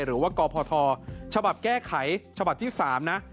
หรือว่ากพทฉบับแก้ไขฉบับที่๓นะ